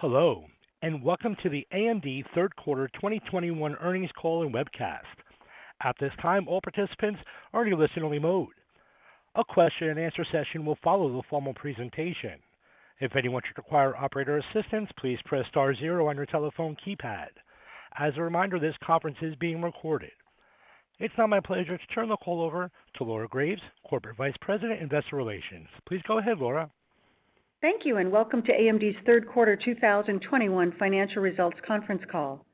Hello, and welcome to the AMD third quarter 2021 earnings call and webcast. At this time, all participants are in a listen-only mode. A question-and-answer session will follow the formal presentation. If anyone should require operator assistance, please press star zero on your telephone keypad. As a reminder, this conference is being recorded. It's now my pleasure to turn the call over to Laura Graves, Corporate Vice President, Investor Relations. Please go ahead, Laura. Thank you, and welcome to AMD's third quarter 2021 financial results conference call.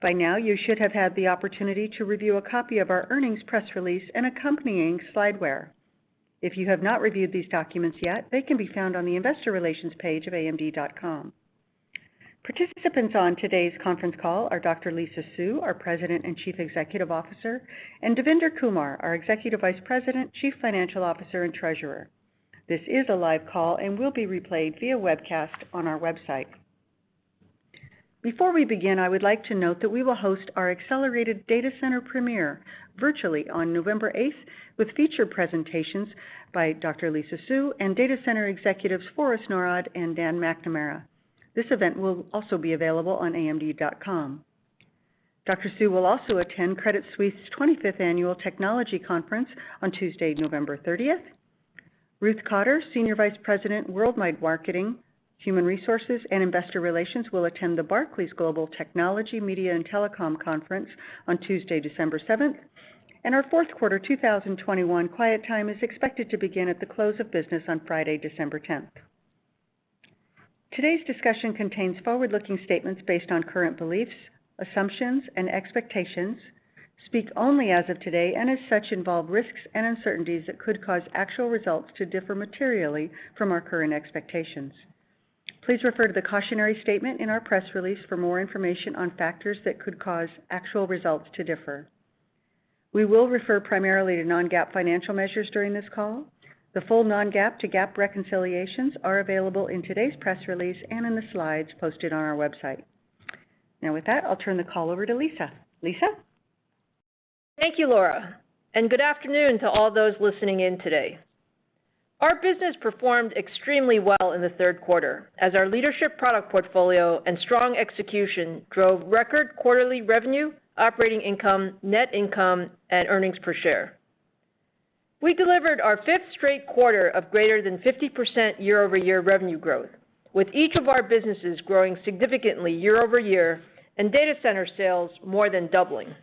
By now you should have had the opportunity to review a copy of our earnings press release and accompanying slideware. If you have not reviewed these documents yet, they can be found on the investor relations page of amd.com. Participants on today's conference call are Dr. Lisa Su, our President and Chief Executive Officer, and Devinder Kumar, our Executive Vice President, Chief Financial Officer, and Treasurer. This is a live call and will be replayed via webcast on our website. Before we begin, I would like to note that we will host our accelerated data center premiere virtually on November 8 with feature presentations by Dr. Lisa Su and data center executives Forrest Norrod and Dan McNamara. This event will also be available on amd.com. Dr. Su will also attend Credit Suisse's 25th Annual Technology Conference on Tuesday, November 30. Ruth Cotter, Senior Vice President, Worldwide Marketing, Human Resources, and Investor Relations, will attend the Barclays Global Technology, Media, and Telecom Conference on Tuesday, December 7. Our fourth quarter 2021 quiet time is expected to begin at the close of business on Friday, December 10. Today's discussion contains forward-looking statements based on current beliefs, assumptions, and expectations that speak only as of today, and as such involve risks and uncertainties that could cause actual results to differ materially from our current expectations. Please refer to the cautionary statement in our press release for more information on factors that could cause actual results to differ. We will refer primarily to non-GAAP financial measures during this call. The full non-GAAP to GAAP reconciliations are available in today's press release and in the slides posted on our website. Now, with that, I'll turn the call over to Lisa. Lisa? Thank you, Laura, and good afternoon to all those listening in today. Our business performed extremely well in the third quarter as our leadership product portfolio and strong execution drove record quarterly revenue, operating income, net income, and earnings per share. We delivered our fifth straight quarter of greater than 50% year-over-year revenue growth, with each of our businesses growing significantly year-over-year, and Data Center sales more than doubling.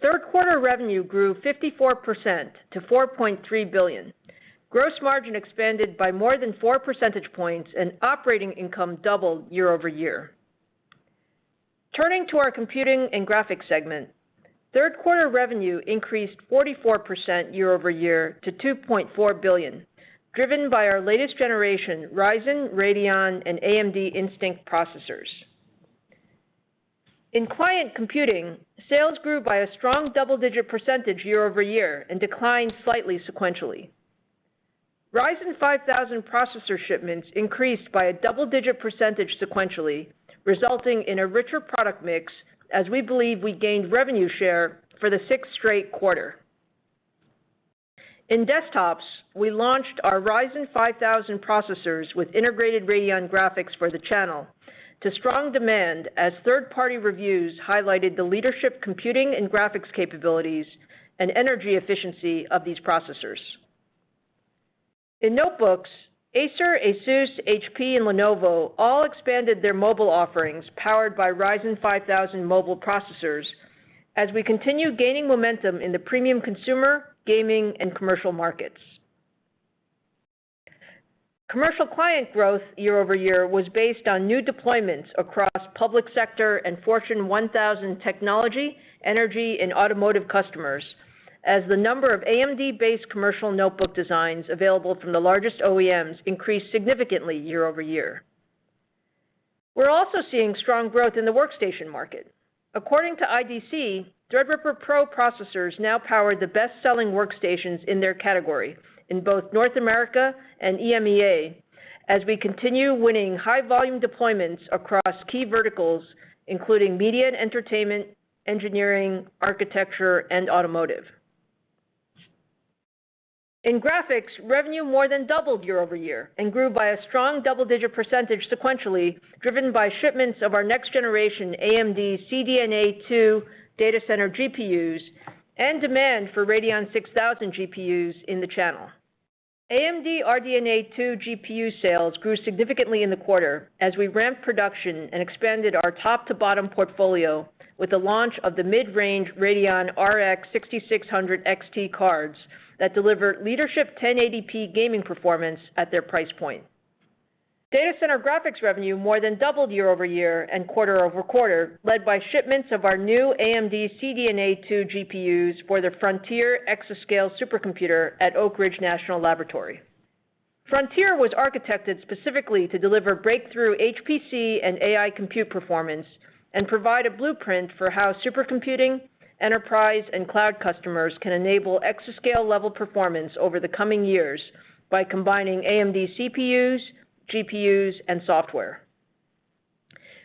Third quarter revenue grew 54% to $4.3 billion. Gross margin expanded by more than 4 percentage points, and operating income doubled year-over-year. Turning to our Computing and Graphics segment, third quarter revenue increased 44% year-over-year to $2.4 billion, driven by our latest generation Ryzen, Radeon, and AMD Instinct processors. In client computing, sales grew by a strong double-digit percentage year-over-year and declined slightly sequentially. Ryzen 5000 processor shipments increased by a double-digit percentage sequentially, resulting in a richer product mix as we believe we gained revenue share for the sixth straight quarter. In desktops, we launched our Ryzen 5000 processors with integrated Radeon graphics for the channel due to strong demand as third-party reviews highlighted the leadership computing and graphics capabilities and energy efficiency of these processors. In notebooks, Acer, ASUS, HP, and Lenovo all expanded their mobile offerings powered by Ryzen 5000 mobile processors as we continue gaining momentum in the premium consumer, gaming, and commercial markets. Commercial client growth year-over-year was based on new deployments across public sector and Fortune 1000 technology, energy, and automotive customers as the number of AMD-based commercial notebook designs available from the largest OEMs increased significantly year-over-year. We're also seeing strong growth in the workstation market. According to IDC, Threadripper PRO processors now power the best-selling workstations in their category in both North America and EMEA as we continue winning high-volume deployments across key verticals, including media and entertainment, engineering, architecture, and automotive. In graphics, revenue more than doubled year-over-year and grew by a strong double-digit percentage sequentially, driven by shipments of our next generation AMD CDNA 2 data center GPUs and demand for Radeon 6000 GPUs in the channel. AMD RDNA 2 GPU sales grew significantly in the quarter as we ramped production and expanded our top-to-bottom portfolio with the launch of the mid-range Radeon RX 6600 XT cards that deliver leadership 1080p gaming performance at their price point. Data center graphics revenue more than doubled year-over-year and quarter-over-quarter, led by shipments of our new AMD CDNA 2 GPUs for the Frontier exascale supercomputer at Oak Ridge National Laboratory. Frontier was architected specifically to deliver breakthrough HPC and AI compute performance and provide a blueprint for how supercomputing, enterprise, and cloud customers can enable exascale-level performance over the coming years by combining AMD CPUs, GPUs, and software.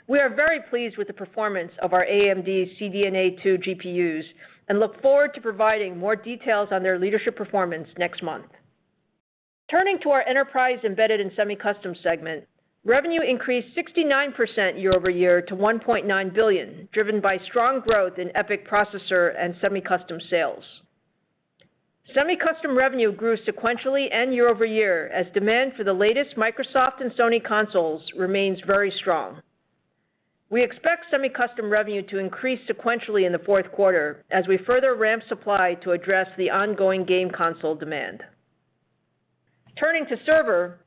We are very pleased with the performance of our AMD CDNA 2 GPUs and look forward to providing more details on their leadership performance next month. Turning to our enterprise embedded and semi-custom segment, revenue increased 69% year-over-year to $1.9 billion, driven by strong growth in EPYC processor and semi-custom sales. Semi-custom revenue grew sequentially and year-over-year as demand for the latest Microsoft and Sony consoles remains very strong. We expect semi-custom revenue to increase sequentially in the fourth quarter as we further ramp supply to address the ongoing game console demand. Turning to server,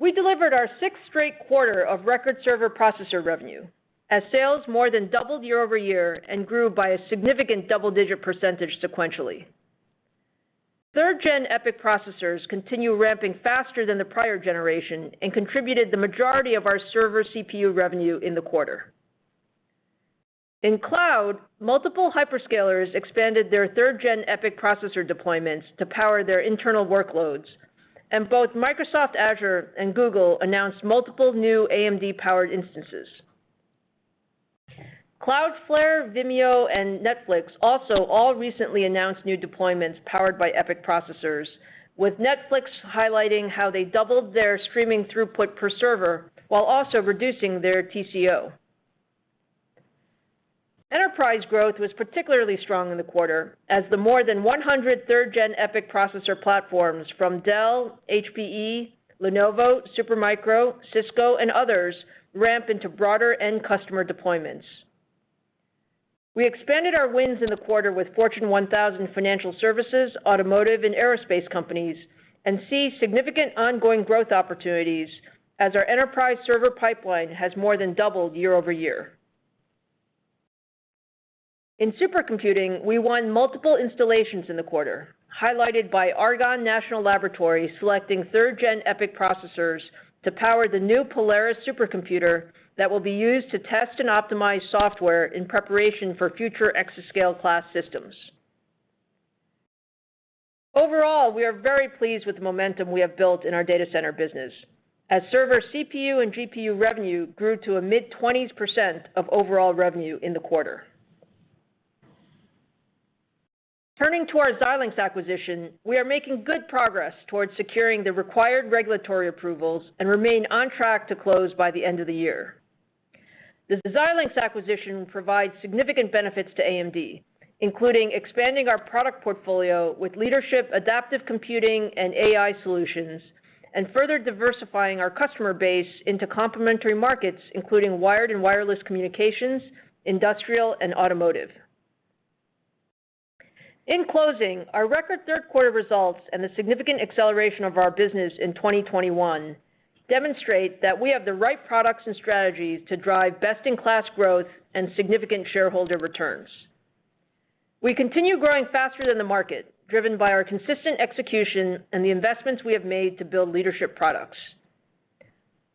we delivered our sixth straight quarter of record server processor revenue, as sales more than doubled year-over-year and grew by a significant double-digit percentage sequentially. Third-gen EPYC processors continue ramping faster than the prior generation and contributed the majority of our server CPU revenue in the quarter. In cloud, multiple hyperscalers expanded their third-gen EPYC processor deployments to power their internal workloads, and both Microsoft Azure and Google announced multiple new AMD-powered instances. Cloudflare, Vimeo, and Netflix also all recently announced new deployments powered by EPYC processors, with Netflix highlighting how they doubled their streaming throughput per server while also reducing their TCO. Enterprise growth was particularly strong in the quarter as the more than 100 third-generation EPYC processor platforms from Dell, HPE, Lenovo, Supermicro, Cisco and others ramp into broader end customer deployments. We expanded our wins in the quarter with Fortune 1000 financial services, automotive and aerospace companies and we see significant ongoing growth opportunities as our enterprise server pipeline has more than doubled year-over-year. In supercomputing, we won multiple installations in the quarter, highlighted by Argonne National Laboratory selecting third-generation EPYC processors to power the new Polaris supercomputer that will be used to test and optimize software in preparation for future exascale-class systems. Overall, we are very pleased with the momentum we have built in our data center business as server CPU and GPU revenue grew to a mid-20% of overall revenue in the quarter. Turning to our Xilinx acquisition, we are making good progress towards securing the required regulatory approvals and remain on track to close by the end of the year. The Xilinx acquisition provides significant benefits to AMD, including expanding our product portfolio with leadership, adaptive computing and AI solutions, and further diversifying our customer base into complementary markets, including wired and wireless communications, industrial and automotive. In closing, our record third quarter results and the significant acceleration of our business in 2021 demonstrate that we have the right products and strategies to drive best in class growth and significant shareholder returns. We continue growing faster than the market, driven by our consistent execution and the investments we have made to build leadership products.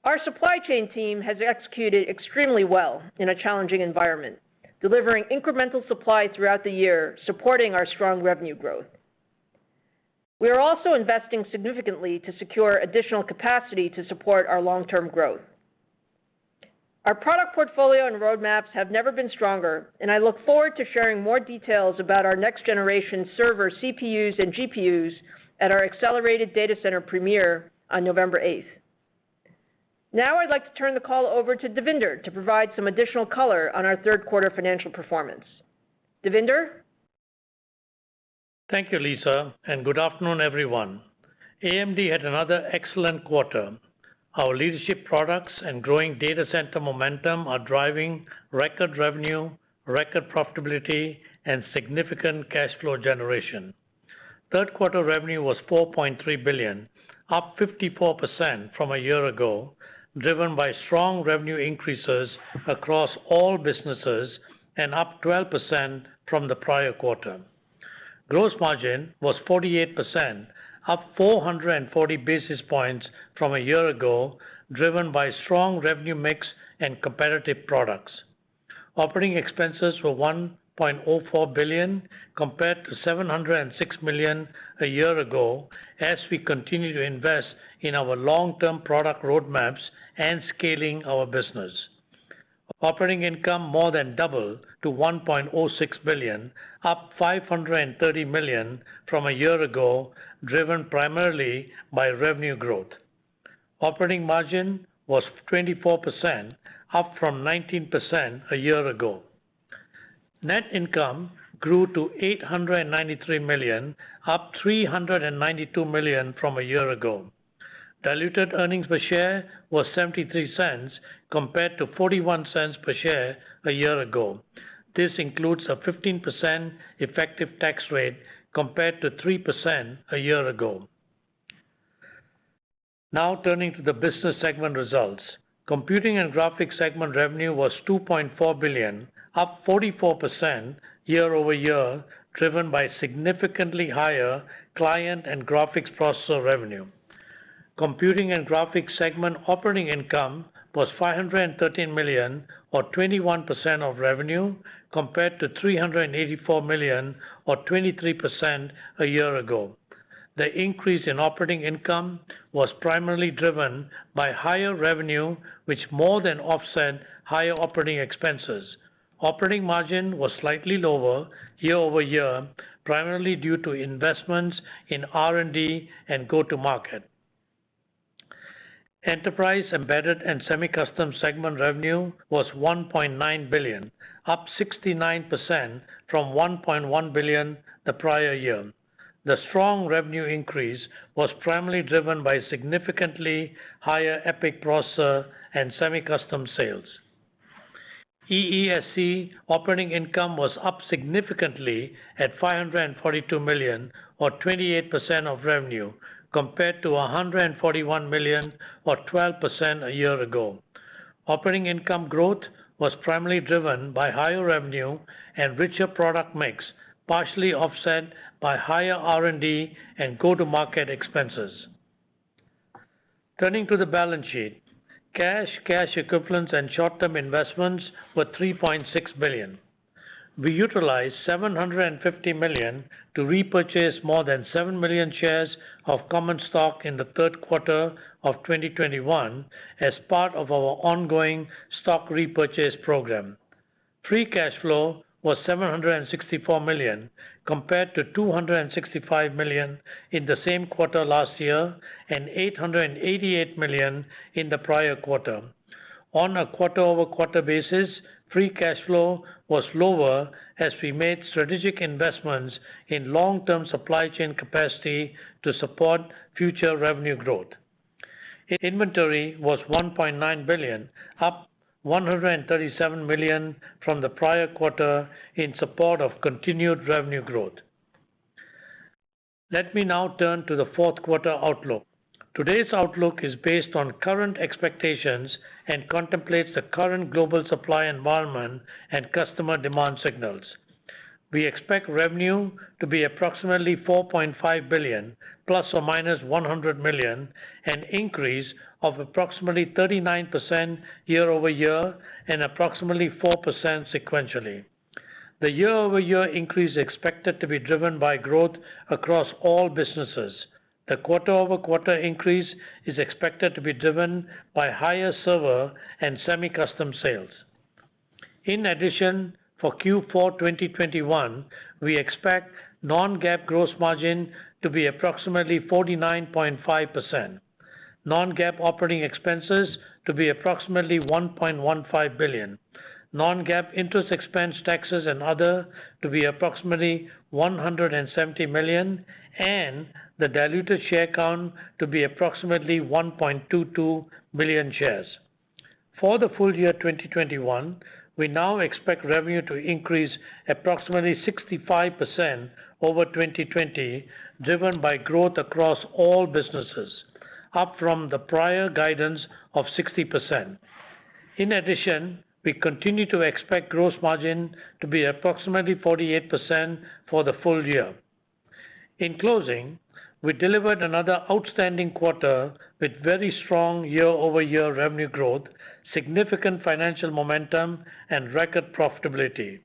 Our supply chain team has executed extremely well in a challenging environment, delivering incremental supply throughout the year, supporting our strong revenue growth. We are also investing significantly to secure additional capacity to support our long term growth. Our product portfolio and road maps have never been stronger, and I look forward to sharing more details about our next generation server CPUs and GPUs at our accelerated data center premiere on November eighth. Now I'd like to turn the call over to Devinder to provide some additional color on our third quarter financial performance. Devinder. Thank you, Lisa, and good afternoon, everyone. AMD had another excellent quarter. Our leadership products and growing data center momentum are driving record revenue, record profitability and significant cash flow generation. Third quarter revenue was $4.3 billion, up 54% from a year ago, driven by strong revenue increases across all businesses and up 12% from the prior quarter. Gross margin was 48%, up 440 basis points from a year ago, driven by strong revenue mix and competitive products. Operating expenses were $1.04 billion, compared to $706 million a year ago, as we continue to invest in our long term product road maps and scaling our business. Operating income more than doubled to $1.06 billion, up $530 million from a year ago, driven primarily by revenue growth. Operating margin was 24%, up from 19% a year ago. Net income grew to $893 million, up $392 million from a year ago. Diluted earnings per share was $0.73 compared to $0.41 per share a year ago. This includes a 15% effective tax rate compared to 3% a year ago. Now turning to the business segment results. Computing and Graphics segment revenue was $2.4 billion, up 44% year-over-year, driven by significantly higher client and graphics processor revenue. Computing and Graphics segment operating income was $513 million, or 21% of revenue, compared to $384 million or 23% a year ago. The increase in operating income was primarily driven by higher revenue, which more than offset higher operating expenses. Operating margin was slightly lower year-over-year, primarily due to investments in R&D and go-to-market. Enterprise Embedded and Semi-Custom segment revenue was $1.9 billion, up 69% from $1.1 billion the prior year. The strong revenue increase was primarily driven by significantly higher EPYC processor and semi-custom sales. EESC operating income was up significantly at $542 million, or 28% of revenue, compared to $141 million, or 12% a year ago. Operating income growth was primarily driven by higher revenue and richer product mix, partially offset by higher R&D and go-to-market expenses. Turning to the balance sheet. Cash, cash equivalents, and short-term investments were $3.6 billion. We utilized $750 million to repurchase more than seven million shares of common stock in the third quarter of 2021 as part of our ongoing stock repurchase program. Free cash flow was $764 million compared to $265 million in the same quarter last year and $888 million in the prior quarter. On a quarter-over-quarter basis, free cash flow was lower as we made strategic investments in long-term supply chain capacity to support future revenue growth. Inventory was $1.9 billion, up $137 million from the prior quarter in support of continued revenue growth. Let me now turn to the fourth quarter outlook. Today's outlook is based on current expectations and contemplates the current global supply environment and customer demand signals. We expect revenue to be approximately $4.5 billion ± $100 million, an increase of approximately 39% year-over-year and approximately 4% sequentially. The year-over-year increase is expected to be driven by growth across all businesses. The quarter-over-quarter increase is expected to be driven by higher server and semi-custom sales. In addition, for Q4 2021, we expect non-GAAP gross margin to be approximately 49.5%, non-GAAP operating expenses to be approximately $1.15 billion, non-GAAP interest expense, taxes, and other to be approximately $170 million, and the diluted share count to be approximately 1.22 billion shares. For the full year 2021, we now expect revenue to increase approximately 65% over 2020, driven by growth across all businesses, up from the prior guidance of 60%. In addition, we continue to expect gross margin to be approximately 48% for the full year. In closing, we delivered another outstanding quarter with very strong year-over-year revenue growth, significant financial momentum, and record profitability.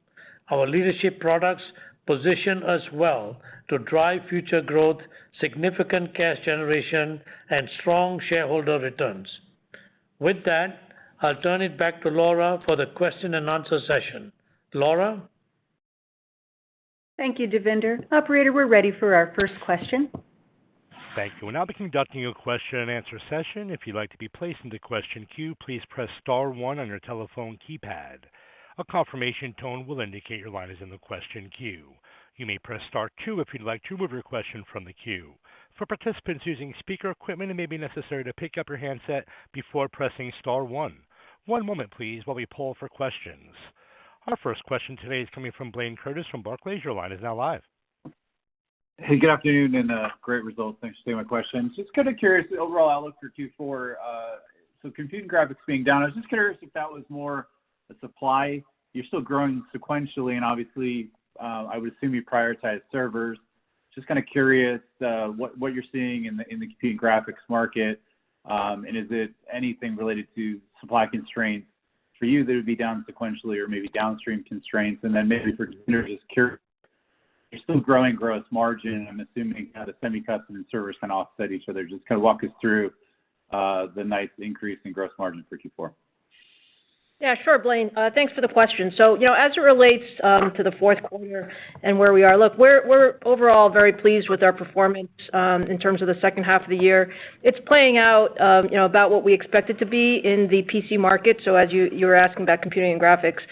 Our leadership products position us well to drive future growth, significant cash generation, and strong shareholder returns. With that, I'll turn it back to Laura for the question and answer session. Laura? Thank you, Devinder. Operator, we're ready for our first question. Thank you. We'll now be conducting a question and answer session. If you'd like to be placed into the question queue, please press star one on your telephone keypad. A confirmation tone will indicate your line is in the question queue. You may press star two if you'd like to remove your question from the queue. For participants using speaker equipment, it may be necessary to pick up your handset before pressing star one. One moment, please, while we poll for questions. Our first question today is coming from Blayne Curtis from Barclays. Your line is now live. Hey, good afternoon and great results. Thanks for taking my questions. Just kinda curious, the overall outlook for Q4, so computing graphics being down. I'm just curious if that was more a supply. You're still growing sequentially and obviously, I would assume you prioritize servers. Just kinda curious, what you're seeing in the computing graphics market, and is it anything related to supply constraints for you that would be down sequentially or maybe downstream constraints? Then maybe for Devinder, just curious, you're still growing gross margin. I'm assuming how the semi-custom and servers kinda offset each other. Just kinda walk us through the nice increase in gross margin for Q4. Yeah, sure, Blayne. Thanks for the question. You know, as it relates to the fourth quarter and where we are, look, we're overall very pleased with our performance in terms of the second half of the year. It's playing out you know about what we expect it to be in the PC market. As you were asking about computing and graphics,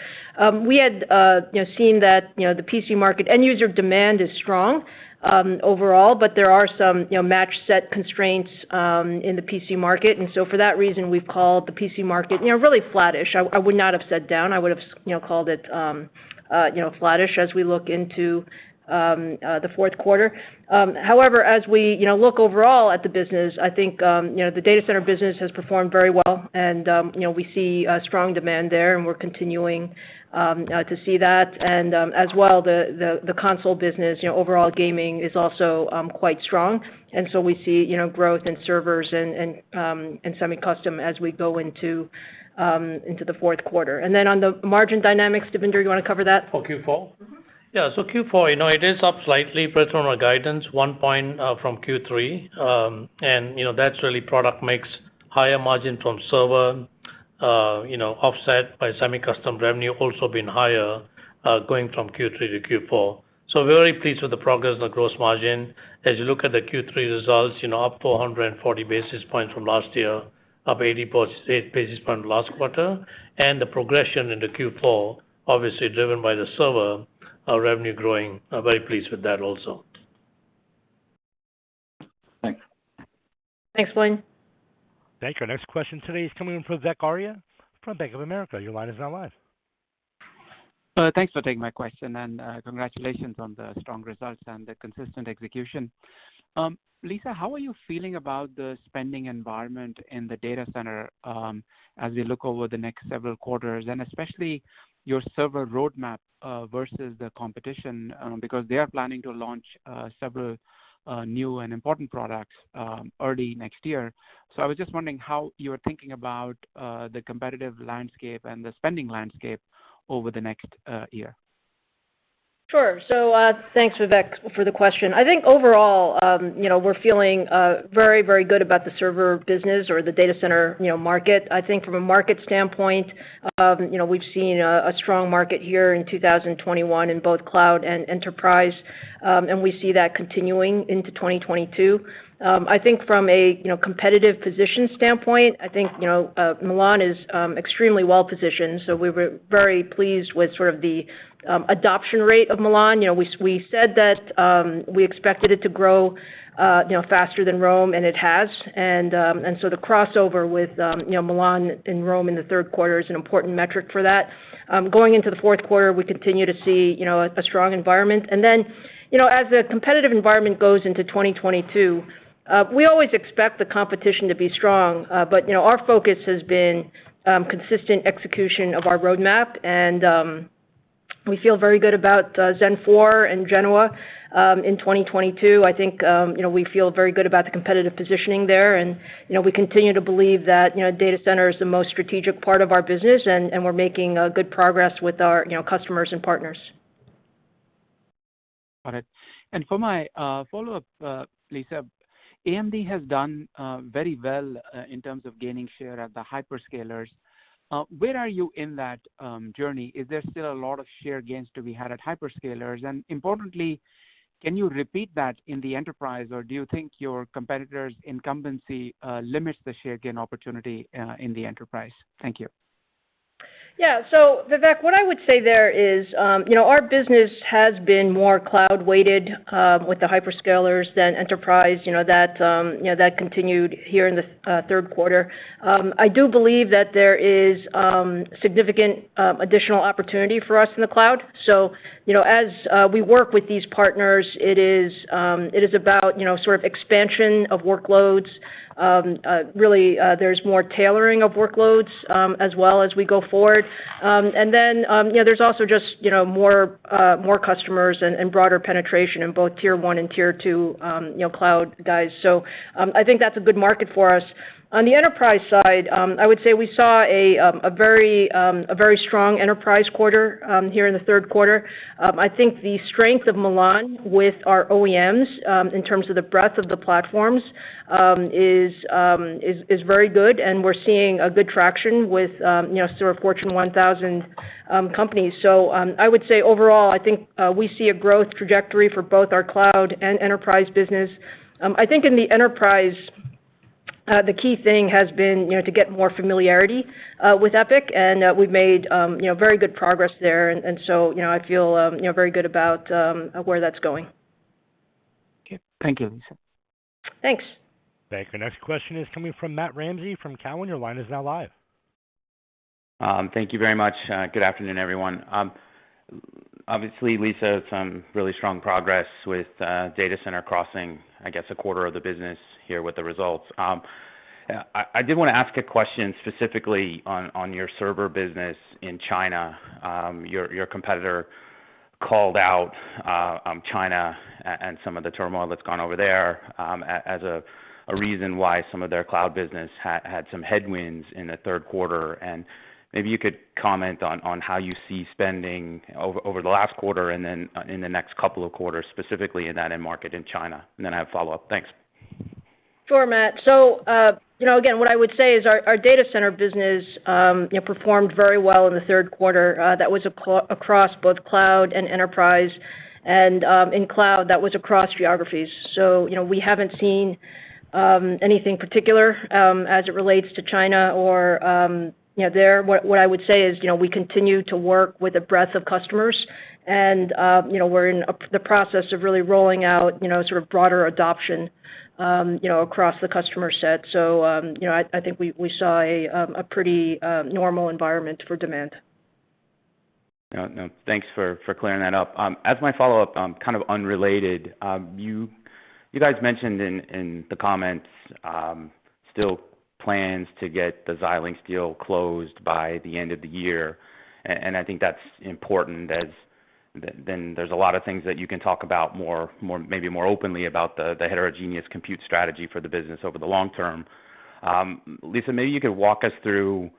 we had you know seen that you know the PC market end user demand is strong overall, but there are some you know mismatch constraints in the PC market, and so for that reason, we've called the PC market you know really flattish. I would not have said down. I would've you know called it you know flattish as we look into the fourth quarter. However, as we, you know, look overall at the business, I think, you know, the data center business has performed very well and, you know, we see a strong demand there, and we're continuing to see that. As well, the console business, you know, overall gaming is also quite strong. We see, you know, growth in servers and semi-custom as we go into the fourth quarter. On the margin dynamics, Devinder, you wanna cover that? For Q4? Mm-hmm. Yeah. Q4, you know, it is up slightly better than our guidance, one point, from Q3. You know, that's really product mix, higher margin from server, you know, offset by semi-custom revenue also been higher, going from Q3 to Q4. We're very pleased with the progress in the gross margin. As you look at the Q3 results, you know, up 440 basis points from last year, up 8 basis points last quarter, and the progression into Q4, obviously driven by the server, our revenue growing. I'm very pleased with that also. Thanks. Thanks, Blayne. Thank you. Next question today is coming from Vivek Arya from Bank of America. Your line is now live. Thanks for taking my question, and, congratulations on the strong results and the consistent execution. Lisa, how are you feeling about the spending environment in the data center, as we look over the next several quarters, and especially your server roadmap, versus the competition, because they are planning to launch several new and important products, early next year. I was just wondering how you're thinking about the competitive landscape and the spending landscape over the next year. Sure. Thanks, Vivek, for the question. I think overall, you know, we're feeling very, very good about the server business or the data center, you know, market. I think from a market standpoint, you know, we've seen a strong market here in 2021 in both cloud and enterprise, and we see that continuing into 2022. I think from a competitive position standpoint, I think, you know, Milan is extremely well positioned, so we were very pleased with sort of the adoption rate of Milan. You know, we said that we expected it to grow, you know, faster than Rome, and it has. The crossover with Milan and Rome in the third quarter is an important metric for that. Going into the fourth quarter, we continue to see, you know, a strong environment. As the competitive environment goes into 2022, we always expect the competition to be strong. Our focus has been consistent execution of our roadmap, and we feel very good about Zen 4 and Genoa in 2022. I think, you know, we feel very good about the competitive positioning there. We continue to believe that, you know, data center is the most strategic part of our business, and we're making good progress with our, you know, customers and partners. Got it. For my follow-up, Lisa, AMD has done very well in terms of gaining share at the hyperscalers. Where are you in that journey? Is there still a lot of share gains to be had at hyperscalers? Importantly, can you repeat that in the enterprise, or do you think your competitors' incumbency limits the share gain opportunity in the enterprise? Thank you. Yeah. Vivek, what I would say there is, you know, our business has been more cloud-weighted with the hyperscalers than enterprise, you know, that continued here in the third quarter. I do believe that there is significant additional opportunity for us in the cloud. You know, as we work with these partners, it is about, you know, sort of expansion of workloads. Really, there's more tailoring of workloads as well as we go forward. Then, you know, there's also just, you know, more customers and broader penetration in both tier one and tier two, you know, cloud guys. I think that's a good market for us. On the enterprise side, I would say we saw a very strong enterprise quarter here in the third quarter. I think the strength of Milan with our OEMs in terms of the breadth of the platforms is very good, and we're seeing good traction with you know, sort of Fortune 1000 companies. I would say overall, I think we see a growth trajectory for both our cloud and enterprise business. I think in the enterprise, the key thing has been you know, to get more familiarity with EPYC, and we've made you know, very good progress there. You know, I feel you know, very good about where that's going. Okay. Thank you, Lisa. Thanks. Thank you. Next question is coming from Matt Ramsay from Cowen. Your line is now live. Thank you very much. Good afternoon, everyone. Obviously, Lisa, some really strong progress with data center crossing, I guess, a quarter of the business here with the results. I did wanna ask a question specifically on your server business in China. Your competitor called out China and some of the turmoil that's gone over there as a reason why some of their cloud business had some headwinds in the third quarter. Maybe you could comment on how you see spending over the last quarter and then in the next couple of quarters, specifically in that end market in China. I have follow-up. Thanks. Sure, Matt. You know, again, what I would say is our data center business performed very well in the third quarter. That was across both cloud and enterprise, and in cloud, that was across geographies. You know, we haven't seen anything particular as it relates to China or you know, there. What I would say is, you know, we continue to work with a breadth of customers and you know, we're in the process of really rolling out, you know, sort of broader adoption you know, across the customer set. You know, I think we saw a pretty normal environment for demand. Yeah. No, thanks for clearing that up. As my follow-up, kind of unrelated, you guys mentioned in the comments still plans to get the Xilinx deal closed by the end of the year, and I think that's important as- There's a lot of things that you can talk about more maybe more openly about the heterogeneous compute strategy for the business over the long term. Lisa, maybe you could walk us through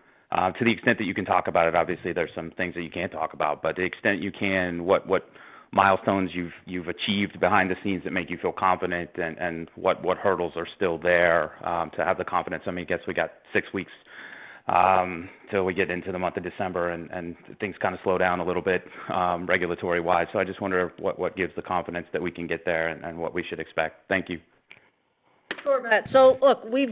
to the extent that you can talk about it. Obviously, there's some things that you can't talk about. But the extent you can, what milestones you've achieved behind the scenes that make you feel confident and what hurdles are still there to have the confidence? I mean, I guess we got six weeks till we get into the month of December and things kind of slow down a little bit regulatory-wise. I just wonder what gives the confidence that we can get there and what we should expect. Thank you. Sure, Matt. Look, you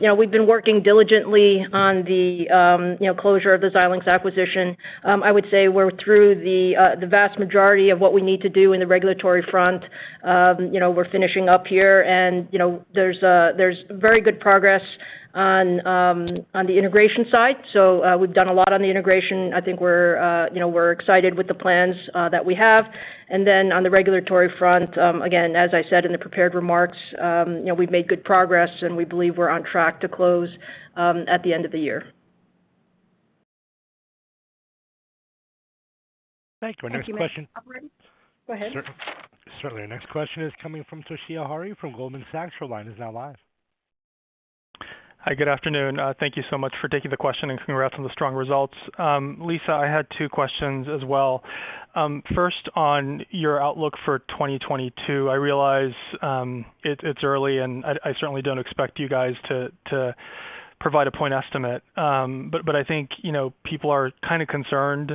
know, we've been working diligently on the closure of the Xilinx acquisition. I would say we're through the vast majority of what we need to do in the regulatory front. You know, we're finishing up here and, you know, there's very good progress on the integration side. We've done a lot on the integration. I think you know, we're excited with the plans that we have. On the regulatory front, again, as I said in the prepared remarks, you know, we've made good progress, and we believe we're on track to close at the end of the year. Thank you. Our next question. Thank you, Matt. Operator. Go ahead. Certainly. Our next question is coming from Toshiya Hari from Goldman Sachs. Your line is now live. Hi, good afternoon. Thank you so much for taking the question and congrats on the strong results. Lisa, I had two questions as well. First on your outlook for 2022. I realize it's early, and I certainly don't expect you guys to provide a point estimate. But I think, you know, people are kind of concerned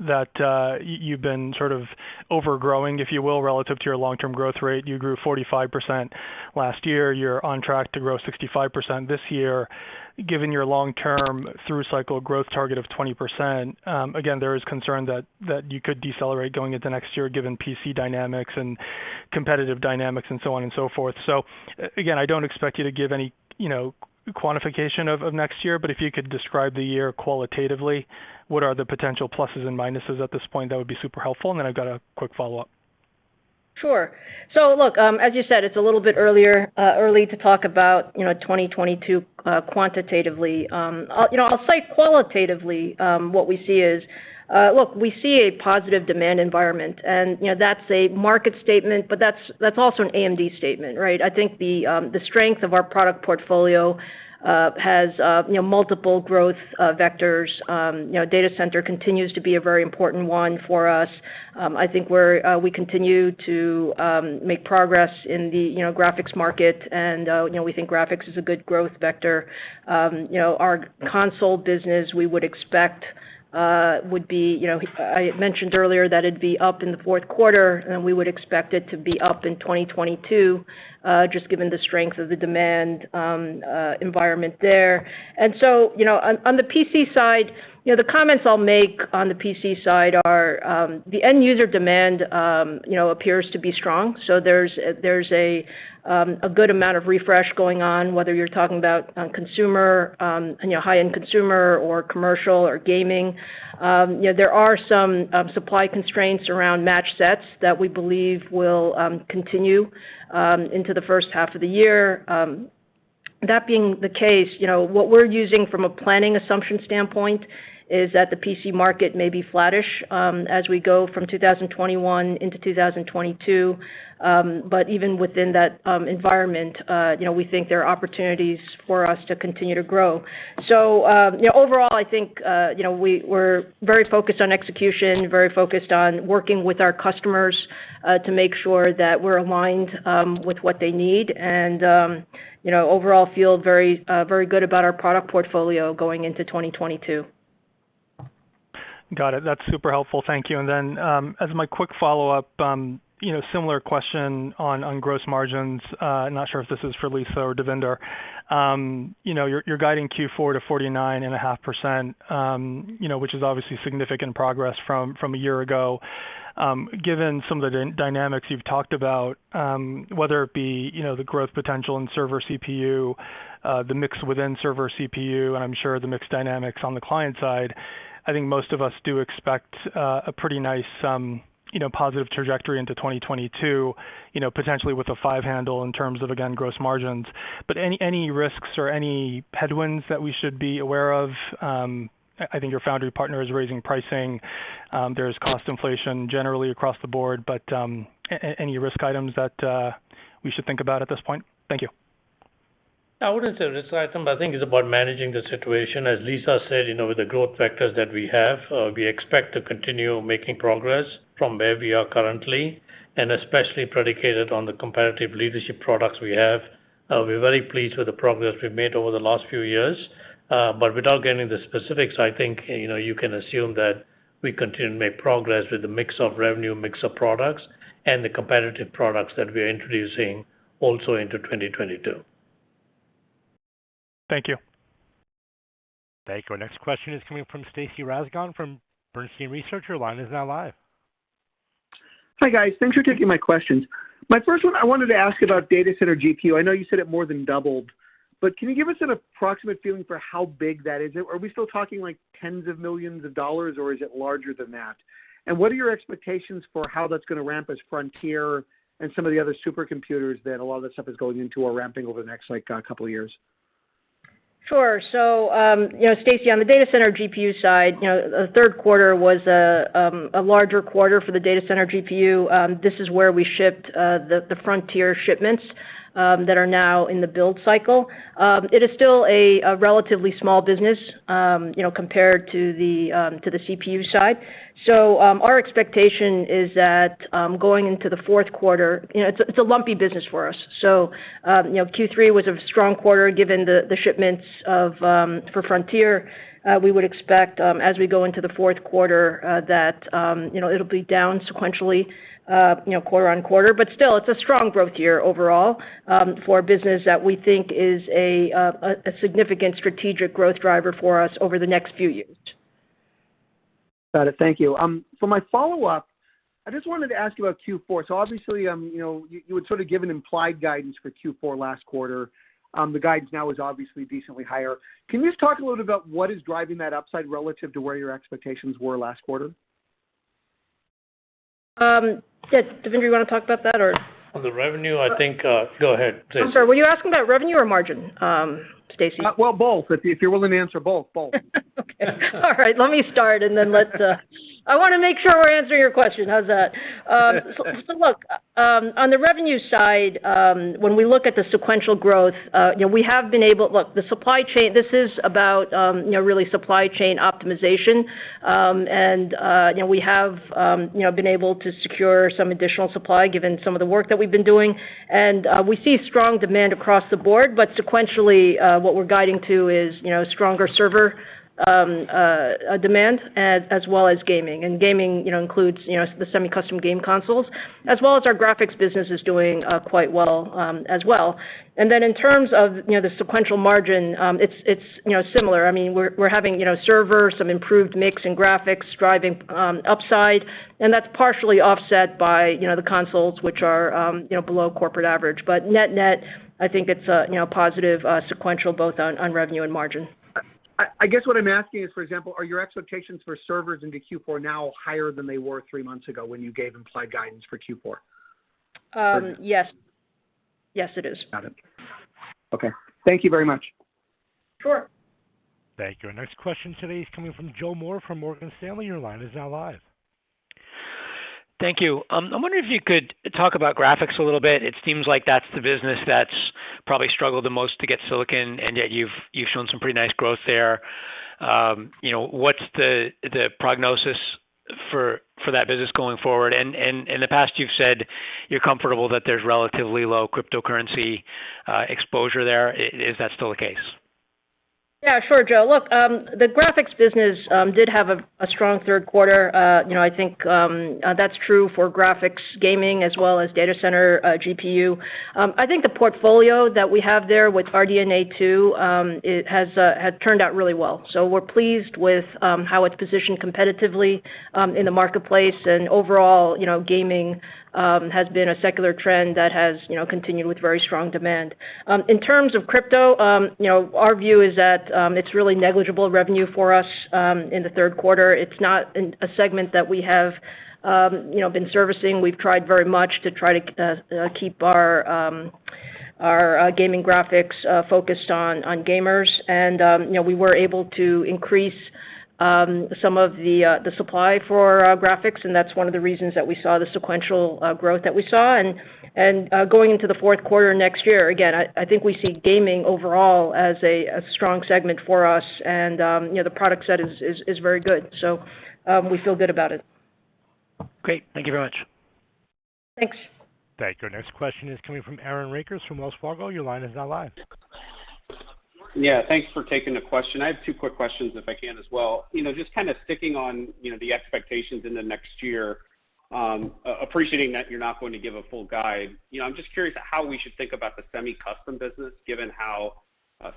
that you've been sort of overgrowing, if you will, relative to your long-term growth rate. You grew 45% last year. You're on track to grow 65% this year. Given your long-term through cycle growth target of 20%, again, there is concern that you could decelerate going into next year given PC dynamics and competitive dynamics and so on and so forth. Again, I don't expect you to give any, you know, quantification of next year, but if you could describe the year qualitatively, what are the potential pluses and minuses at this point, that would be super helpful. And then I've got a quick follow-up. Sure. Look, as you said, it's a little bit early to talk about, you know, 2022 quantitatively. You know, I'll say qualitatively, what we see is, look, we see a positive demand environment and, you know, that's a market statement, but that's also an AMD statement, right? I think the strength of our product portfolio has, you know, multiple growth vectors. You know, data center continues to be a very important one for us. I think we continue to make progress in the, you know, graphics market and, you know, we think graphics is a good growth vector. You know, our console business we would expect would be up in the fourth quarter. I mentioned earlier that it'd be up in the fourth quarter, and we would expect it to be up in 2022 just given the strength of the demand environment there. You know, on the PC side, the comments I'll make on the PC side are the end user demand you know appears to be strong. There's a good amount of refresh going on, whether you're talking about consumer you know high-end consumer or commercial or gaming. You know, there are some supply constraints around matched sets that we believe will continue into the first half of the year. That being the case, you know, what we're using from a planning assumption standpoint is that the PC market may be flattish, as we go from 2021 into 2022. Even within that environment, you know, we think there are opportunities for us to continue to grow. You know, overall, I think, you know, we're very focused on execution, very focused on working with our customers, to make sure that we're aligned, with what they need and, you know, overall feel very, very good about our product portfolio going into 2022. Got it. That's super helpful. Thank you. As my quick follow-up, you know, similar question on gross margins. Not sure if this is for Lisa or Devinder. You know, you're guiding Q4 to 49.5%, you know, which is obviously significant progress from a year ago. Given some of the dynamics you've talked about, whether it be, you know, the growth potential in server CPU, the mix within server CPU, and I'm sure the mix dynamics on the client side, I think most of us do expect a pretty nice, you know, positive trajectory into 2022, you know, potentially with a five handle in terms of, again, gross margins. Any risks or any headwinds that we should be aware of? I think your foundry partner is raising pricing. There's cost inflation generally across the board, but any risk items that we should think about at this point? Thank you. I wouldn't say risk item, but I think it's about managing the situation. As Lisa said, you know, with the growth vectors that we have, we expect to continue making progress from where we are currently, and especially predicated on the competitive leadership products we have. We're very pleased with the progress we've made over the last few years. Without getting into specifics, I think, you know, you can assume that we continue to make progress with the mix of revenue, mix of products, and the competitive products that we're introducing also into 2022. Thank you. Thank you. Our next question is coming from Stacy Rasgon from Bernstein Research. Your line is now live. Hi, guys. Thanks for taking my questions. My first one, I wanted to ask about data center GPU. I know you said it more than doubled, but can you give us an approximate feeling for how big that is? Are we still talking like tens of millions of dollars, or is it larger than that? And what are your expectations for how that's gonna ramp as Frontier and some of the other supercomputers that a lot of that stuff is going into are ramping over the next, like, couple of years? Sure. You know, Stacy, on the data center GPU side, you know, the third quarter was a larger quarter for the data center GPU. This is where we shipped the Frontier shipments that are now in the build cycle. It is still a relatively small business, you know, compared to the CPU side. Our expectation is that going into the fourth quarter. You know, it's a lumpy business for us. You know, Q3 was a strong quarter given the shipments for Frontier. We would expect, as we go into the fourth quarter, that you know, it'll be down sequentially, you know, quarter-over-quarter. It's a strong growth year overall, for a business that we think is a significant strategic growth driver for us over the next few years. Got it. Thank you. For my follow-up, I just wanted to ask you about Q4. Obviously, you know, you had sort of given implied guidance for Q4 last quarter. The guidance now is obviously decently higher. Can you just talk a little about what is driving that upside relative to where your expectations were last quarter? Yeah. Devinder, you wanna talk about that or? On the revenue, I think. Go ahead, please. I'm sorry. Were you asking about revenue or margin, Stacy? Well, both. If you're willing to answer both. Okay. All right. Let me start. I wanna make sure we're answering your question. How's that? Look, on the revenue side, when we look at the sequential growth, you know. Look, the supply chain. This is about, you know, really supply chain optimization. You know, we have, you know, been able to secure some additional supply given some of the work that we've been doing. We see strong demand across the board. Sequentially, what we're guiding to is, you know, stronger server demand as well as gaming. Gaming, you know, includes, you know, the semi-custom game consoles, as well as our graphics business is doing quite well, as well. In terms of you know, the sequential margin, it's you know, similar. I mean, we're having you know, server, some improved mix in graphics driving upside, and that's partially offset by you know, the consoles, which are you know, below corporate average. Net-net, I think it's you know, positive sequential both on revenue and margin. I guess what I'm asking is, for example, are your expectations for servers into Q4 now higher than they were three months ago when you gave implied guidance for Q4? Yes. Yes, it is. Got it. Okay. Thank you very much. Sure. Thank you. Our next question today is coming from Joe Moore from Morgan Stanley. Your line is now live. Thank you. I'm wondering if you could talk about graphics a little bit. It seems like that's the business that's probably struggled the most to get silicon, and yet you've shown some pretty nice growth there. You know, what's the prognosis for that business going forward? In the past, you've said you're comfortable that there's relatively low cryptocurrency exposure there. Is that still the case? Yeah. Sure, Joe. Look, the graphics business did have a strong third quarter. You know, I think that's true for graphics gaming as well as data center GPU. I think the portfolio that we have there with RDNA 2, it has turned out really well. We're pleased with how it's positioned competitively in the marketplace. Overall, you know, gaming has been a secular trend that has, you know, continued with very strong demand. In terms of crypto, you know, our view is that it's really negligible revenue for us in the third quarter. It's not in a segment that we have, you know, been servicing. We've tried very much to keep our gaming graphics focused on gamers. You know, we were able to increase some of the supply for graphics, and that's one of the reasons that we saw the sequential growth that we saw. Going into the fourth quarter next year, again, I think we see gaming overall as a strong segment for us and, you know, the product set is very good. We feel good about it. Great. Thank you very much. Thanks. Thank you. Our next question is coming from Aaron Rakers from Wells Fargo. Your line is now live. Yeah. Thanks for taking the question. I have two quick questions if I can as well. You know, just kinda sticking on, you know, the expectations in the next year, appreciating that you're not going to give a full guide. You know, I'm just curious how we should think about the semi-custom business, given how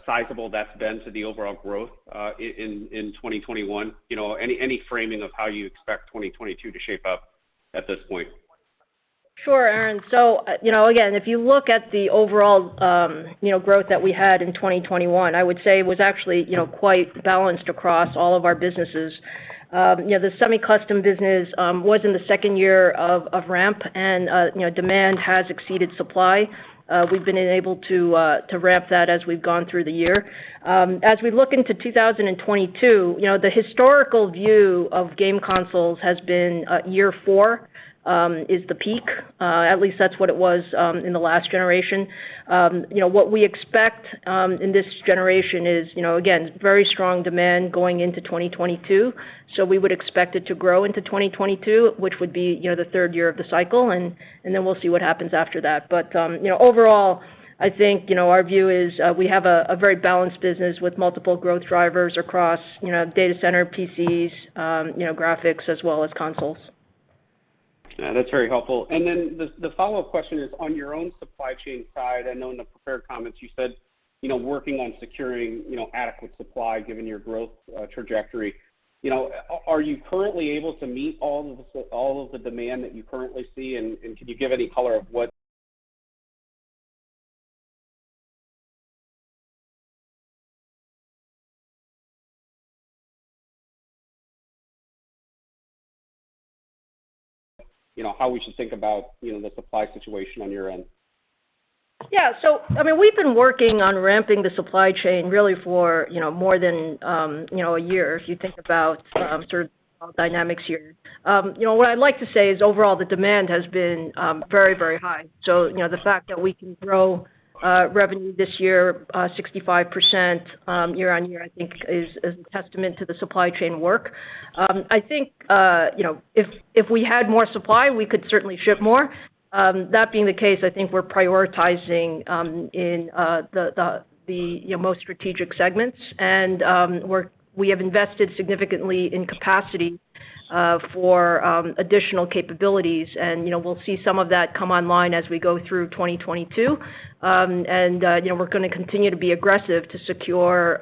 sizable that's been to the overall growth, in 2021. You know, any framing of how you expect 2022 to shape up at this point? Sure, Aaron. You know, again, if you look at the overall, you know, growth that we had in 2021, I would say it was actually, you know, quite balanced across all of our businesses. You know, the semi-custom business was in the second year of ramp and, you know, demand has exceeded supply. We've been able to to ramp that as we've gone through the year. As we look into 2022, you know, the historical view of game consoles has been year four is the peak. At least that's what it was in the last generation. You know, what we expect in this generation is, you know, again, very strong demand going into 2022. We would expect it to grow into 2022, which would be, you know, the third year of the cycle, and then we'll see what happens after that. You know, overall, I think, you know, our view is, we have a very balanced business with multiple growth drivers across, you know, data center, PCs, you know, graphics, as well as consoles. Yeah, that's very helpful. The follow-up question is on your own supply chain side. I know in the prepared comments you said, you know, working on securing, you know, adequate supply given your growth trajectory. You know, are you currently able to meet all of the demand that you currently see? And could you give any color of what- You know how we should think about, you know, the supply situation on your end. Yeah. I mean, we've been working on ramping the supply chain really for, you know, more than a year if you think about sort of dynamics here. You know, what I'd like to say is, overall, the demand has been very, very high. You know, the fact that we can grow revenue this year 65% year-over-year, I think is a testament to the supply chain work. I think you know, if we had more supply, we could certainly ship more. That being the case, I think we're prioritizing in the most strategic segments. We have invested significantly in capacity for additional capabilities. You know, we'll see some of that come online as we go through 2022. You know, we're gonna continue to be aggressive to secure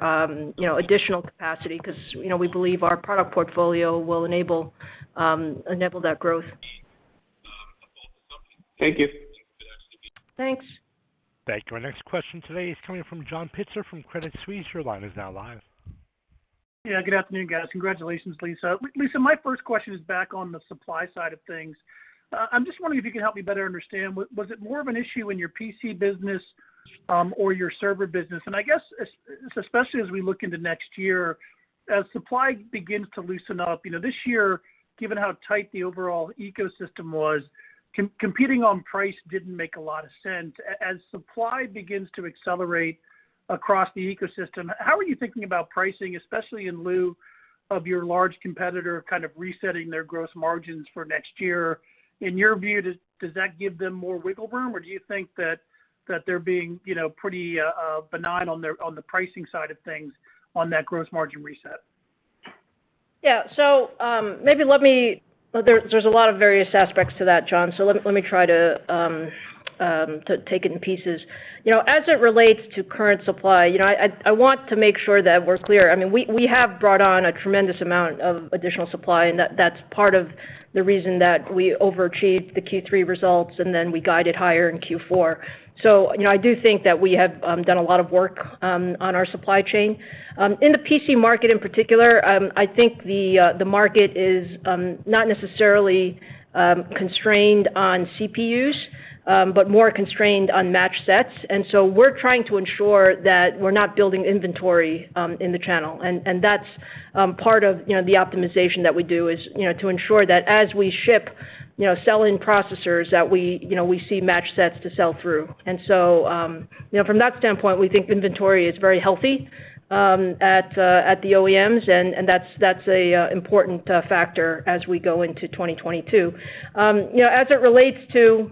you know, additional capacity because, you know, we believe our product portfolio will enable that growth. Thank you. Thanks. Back to our next question today is coming from John Pitzer from Credit Suisse. Your line is now live. Yeah, good afternoon, guys. Congratulations, Lisa. Lisa, my first question is back on the supply side of things. I'm just wondering if you could help me better understand, was it more of an issue in your PC business, or your server business? I guess especially as we look into next year, as supply begins to loosen up, you know, this year, given how tight the overall ecosystem was, competing on price didn't make a lot of sense. As supply begins to accelerate across the ecosystem, how are you thinking about pricing, especially in lieu of your large competitor kind of resetting their gross margins for next year? In your view, does that give them more wiggle room, or do you think that they're being, you know, pretty benign on the pricing side of things on that gross margin reset? There's a lot of various aspects to that, John. Let me try to take it in pieces. You know, as it relates to current supply, you know, I want to make sure that we're clear. I mean, we have brought on a tremendous amount of additional supply, and that's part of the reason that we overachieved the Q3 results, and then we guided higher in Q4. You know, I do think that we have done a lot of work on our supply chain. In the PC market, in particular, I think the market is not necessarily constrained on CPUs, but more constrained on match sets. We're trying to ensure that we're not building inventory in the channel. That's part of the optimization that we do, you know, to ensure that as we ship, you know, sell in processors that we, you know, we see match sets to sell through. You know, from that standpoint, we think inventory is very healthy at the OEMs, and that's an important factor as we go into 2022. You know, as it relates to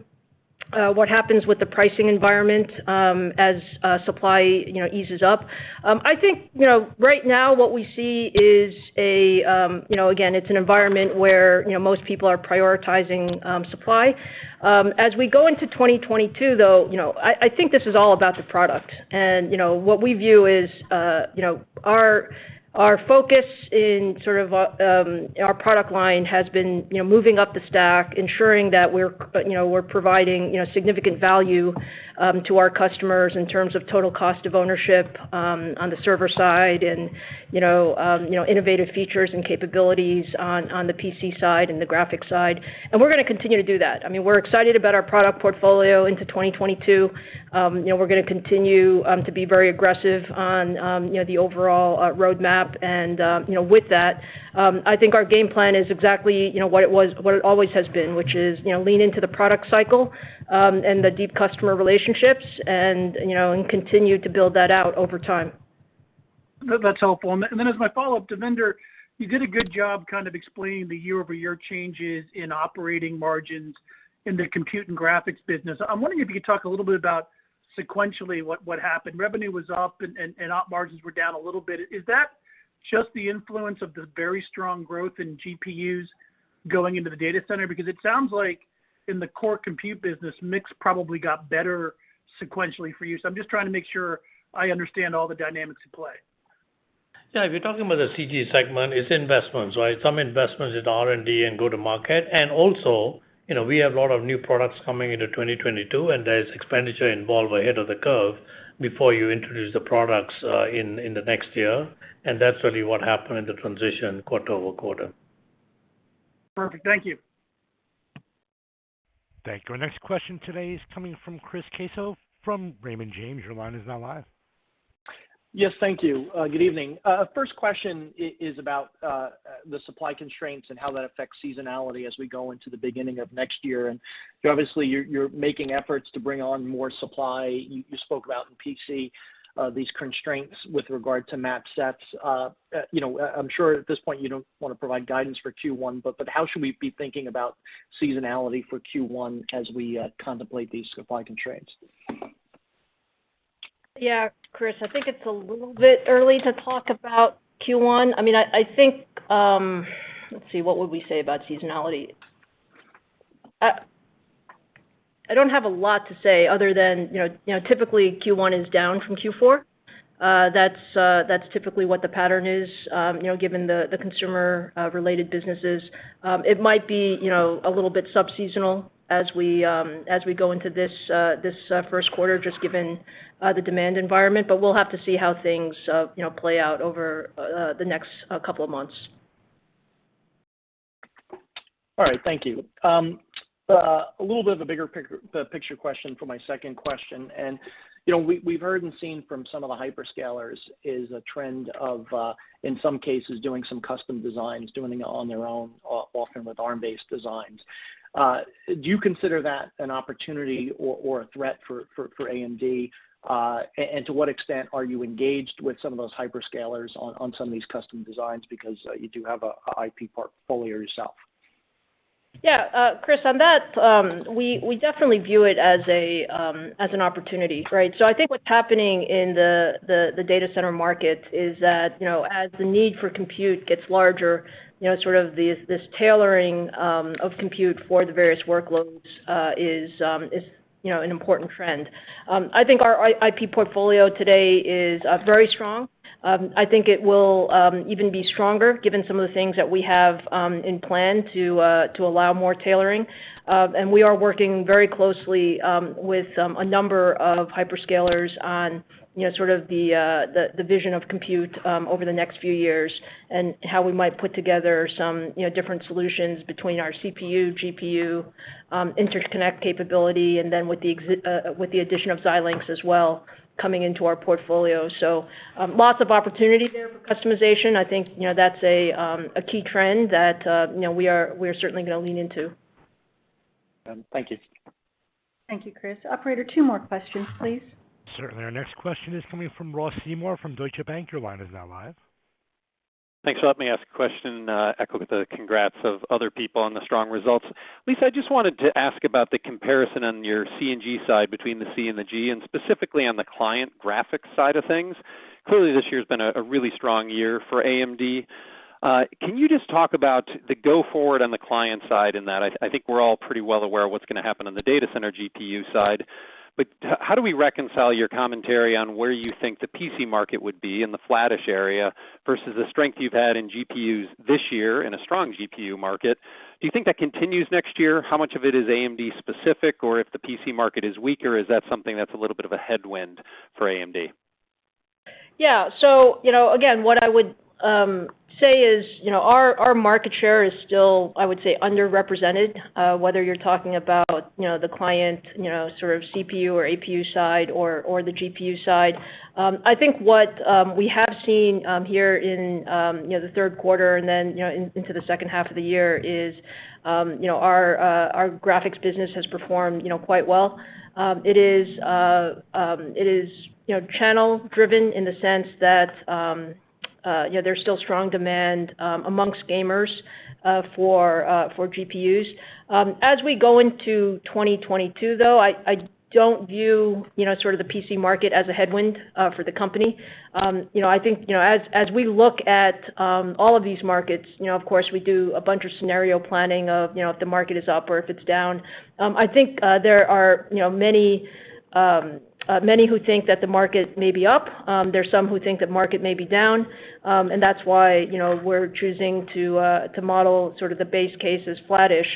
what happens with the pricing environment, as supply, you know, eases up, I think, you know, right now what we see is, you know, again, it's an environment where, you know, most people are prioritizing supply. As we go into 2022, though, you know, I think this is all about the product. You know, what we view is, you know, our focus in sort of our product line has been, you know, moving up the stack, ensuring that we're providing, you know, significant value to our customers in terms of total cost of ownership on the server side and, you know, innovative features and capabilities on the PC side and the graphic side. We're gonna continue to do that. I mean, we're excited about our product portfolio into 2022. You know, we're gonna continue to be very aggressive on the overall roadmap. With that, I think our game plan is exactly, you know, what it always has been, which is, you know, lean into the product cycle and the deep customer relationships and, you know, continue to build that out over time. That's helpful. Then as my follow-up, Devinder, you did a good job kind of explaining the year-over-year changes in operating margins in the compute and graphics business. I'm wondering if you could talk a little bit about sequentially what happened. Revenue was up and op margins were down a little bit. Is that just the influence of the very strong growth in GPUs going into the data center? Because it sounds like in the core compute business, mix probably got better sequentially for you. I'm just trying to make sure I understand all the dynamics at play. Yeah. If you're talking about the CG segment, it's investments, right? Some investments in R&D and go-to-market. Also, you know, we have a lot of new products coming into 2022, and there's expenditure involved ahead of the curve before you introduce the products in the next year, and that's really what happened in the transition quarter-over-quarter. Perfect. Thank you. Thank you. Our next question today is coming from Chris Caso from Raymond James. Your line is now live. Yes, thank you. Good evening. First question is about the supply constraints and how that affects seasonality as we go into the beginning of next year. Obviously, you're making efforts to bring on more supply. You spoke about in PC these constraints with regard to match sets. You know, I'm sure at this point you don't wanna provide guidance for Q1, but how should we be thinking about seasonality for Q1 as we contemplate these supply constraints? Yeah. Chris, I think it's a little bit early to talk about Q1. I mean, I think. Let's see, what would we say about seasonality? I don't have a lot to say other than, you know, typically Q1 is down from Q4. That's typically what the pattern is, you know, given the consumer related businesses. It might be, you know, a little bit sub-seasonal as we go into this first quarter, just given the demand environment. We'll have to see how things, you know, play out over the next couple of months. All right. Thank you. A little bit of a bigger picture question for my second question. You know, we've heard and seen from some of the hyperscalers a trend of, in some cases, doing some custom designs, doing it on their own, often with Arm-based designs. Do you consider that an opportunity or a threat for AMD? And to what extent are you engaged with some of those hyperscalers on some of these custom designs because you do have a IP portfolio yourself? Yeah, Chris, on that, we definitely view it as an opportunity, right? I think what's happening in the data center market is that, you know, as the need for compute gets larger, you know, sort of this tailoring of compute for the various workloads is, you know, an important trend. I think our IP portfolio today is very strong. I think it will even be stronger given some of the things that we have planned to allow more tailoring. We are working very closely with a number of hyperscalers on, you know, sort of the vision of compute over the next few years and how we might put together some, you know, different solutions between our CPU, GPU, interconnect capability, and then with the addition of Xilinx as well coming into our portfolio. Lots of opportunity there for customization. I think, you know, that's a key trend that, you know, we're certainly gonna lean into. Thank you. Thank you, Chris. Operator, two more questions, please. Certainly. Our next question is coming from Ross Seymore from Deutsche Bank. Your line is now live. Thanks for letting me ask a question, echoing the congrats of other people on the strong results. Lisa, I just wanted to ask about the comparison on your C&G side between the C and the G, and specifically on the client graphics side of things. Clearly, this year's been a really strong year for AMD. Can you just talk about the go forward on the client side in that? I think we're all pretty well aware of what's gonna happen on the data center GPU side. How do we reconcile your commentary on where you think the PC market would be in the flattish area versus the strength you've had in GPUs this year in a strong GPU market? Do you think that continues next year? How much of it is AMD specific? If the PC market is weaker, is that something that's a little bit of a headwind for AMD? You know, again, what I would say is, you know, our market share is still, I would say, underrepresented, whether you're talking about, you know, the client, you know, sort of CPU or APU side or the GPU side. I think what we have seen here in, you know, the third quarter and then, you know, into the second half of the year is, you know, our graphics business has performed, you know, quite well. It is, you know, channel-driven in the sense that, you know, there's still strong demand amongst gamers for GPUs. As we go into 2022, though, I don't view, you know, sort of the PC market as a headwind for the company. You know, I think, you know, as we look at all of these markets, you know, of course, we do a bunch of scenario planning of, you know, if the market is up or if it's down. I think there are, you know, many who think that the market may be up. There are some who think the market may be down. That's why, you know, we're choosing to model sort of the base case as flattish.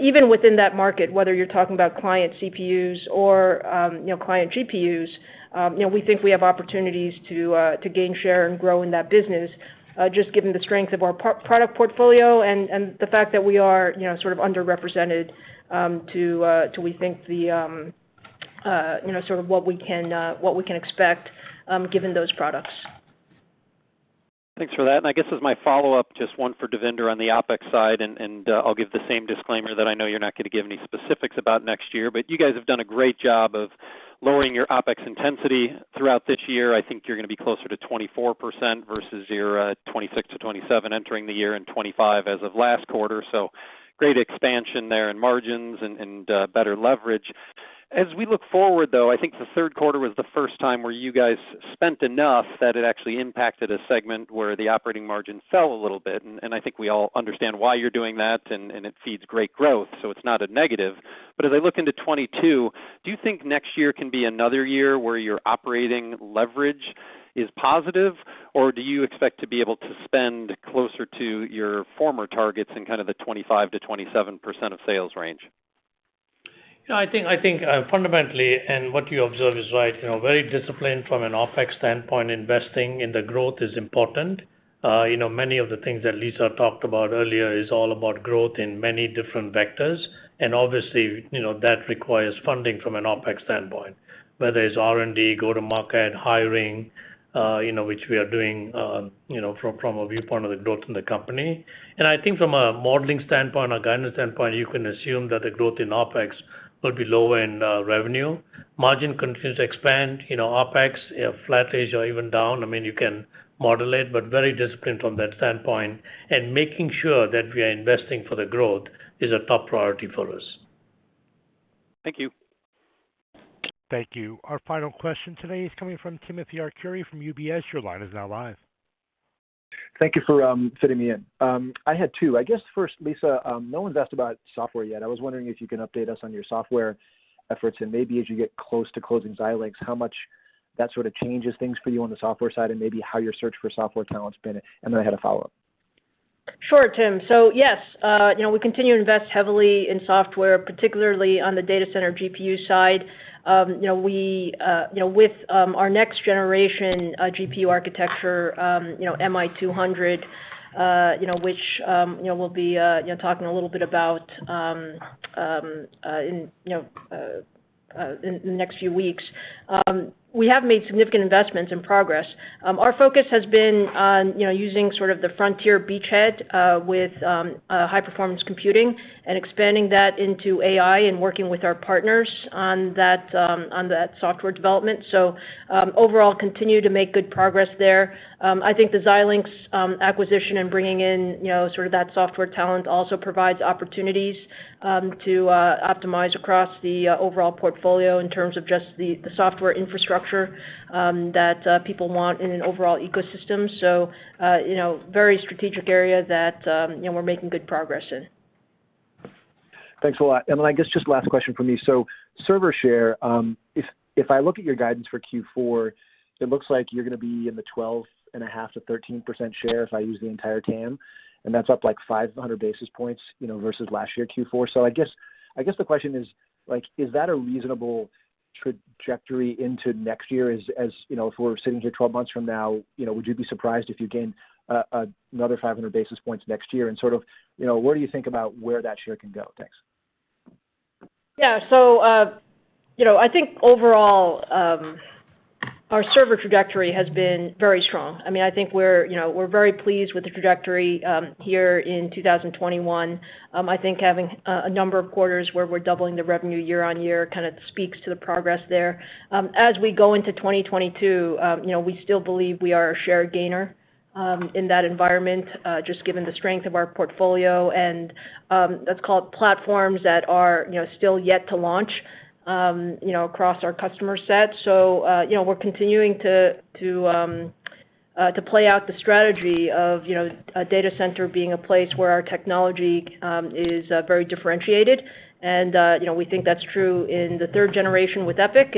Even within that market, whether you're talking about client CPUs or, you know, client GPUs, you know, we think we have opportunities to gain share and grow in that business, just given the strength of our product portfolio and the fact that we are, you know, sort of underrepresented to what we think, you know, sort of what we can expect, given those products. Thanks for that. I guess as my follow-up, just one for Devinder on the OpEx side, and I'll give the same disclaimer that I know you're not gonna give any specifics about next year. You guys have done a great job of lowering your OpEx intensity throughout this year. I think you're gonna be closer to 24% versus your 26%-27% entering the year and 25% as of last quarter. Great expansion there in margins and better leverage. As we look forward, though, I think the third quarter was the first time where you guys spent enough that it actually impacted a segment where the operating margin fell a little bit. I think we all understand why you're doing that and it feeds great growth, so it's not a negative. As I look into 2022, do you think next year can be another year where your operating leverage is positive, or do you expect to be able to spend closer to your former targets in kind of the 25%-27% of sales range? You know, I think fundamentally, and what you observe is right, you know, very disciplined from an OpEx standpoint, investing in the growth is important. You know, many of the things that Lisa talked about earlier is all about growth in many different vectors. Obviously, you know, that requires funding from an OpEx standpoint, whether it's R&D, go to market, hiring, you know, which we are doing, from a viewpoint of the growth in the company. I think from a modeling standpoint, a guidance standpoint, you can assume that the growth in OpEx will be lower in revenue. Margin continues to expand, you know, OpEx, you know, flat-ish or even down. I mean, you can model it, but very disciplined from that standpoint. Making sure that we are investing for the growth is a top priority for us. Thank you. Thank you. Our final question today is coming from Timothy Arcuri from UBS. Your line is now live. Thank you for fitting me in. I had two. I guess first, Lisa, no one's asked about software yet. I was wondering if you can update us on your software efforts and maybe as you get close to closing Xilinx, how much that sort of changes things for you on the software side and maybe how your search for software talent's been. I had a follow-up. Sure, Tim. Yes, you know, we continue to invest heavily in software, particularly on the data center GPU side. You know, we, you know, with our next generation GPU architecture, you know, MI200, you know, which, you know, we'll be, you know, talking a little bit about, in, you know, in the next few weeks. We have made significant investments and progress. Our focus has been on, you know, using sort of the Frontier beachhead, with a high-performance computing and expanding that into AI and working with our partners on that software development. Overall, we continue to make good progress there. I think the Xilinx acquisition and bringing in, you know, sort of that software talent also provides opportunities to optimize across the overall portfolio in terms of just the software infrastructure that people want in an overall ecosystem. You know, very strategic area that we're making good progress in. Thanks a lot. I guess just last question from me. Server share, if I look at your guidance for Q4, it looks like you're gonna be in the 12.5%-13% share if I use the entire TAM, and that's up like 500 basis points, you know, versus last year's Q4. I guess the question is, like, is that a reasonable trajectory into next year as you know, if we're sitting here 12 months from now, you know, would you be surprised if you gain another 500 basis points next year? Sort of, you know, where do you think about where that share can go? Thanks. Yeah. You know, I think overall, our server trajectory has been very strong. I mean, I think we're, you know, we're very pleased with the trajectory here in 2021. I think having a number of quarters where we're doubling the revenue year-over-year kind of speaks to the progress there. As we go into 2022, you know, we still believe we are a share gainer in that environment, just given the strength of our portfolio and, let's call it platforms that are, you know, still yet to launch, you know, across our customer set. You know, we're continuing to play out the strategy of, you know, a data center being a place where our technology is very differentiated. You know, we think that's true in the third generation with EPYC,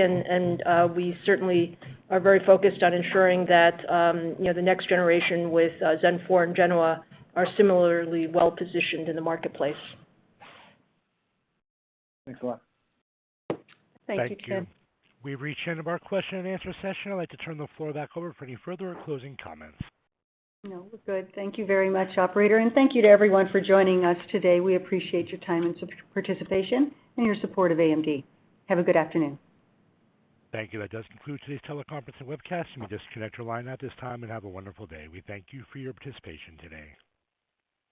and we certainly are very focused on ensuring that you know, the next generation with Zen 4 and Genoa are similarly well positioned in the marketplace. Thanks a lot. Thank you. Thank you. We've reached the end of our question and answer session. I'd like to turn the floor back over for any further closing comments. No, we're good. Thank you very much, operator. Thank you to everyone for joining us today. We appreciate your time and participation and your support of AMD. Have a good afternoon. Thank you. That does conclude today's teleconference and webcast. You may disconnect your line at this time and have a wonderful day. We thank you for your participation today.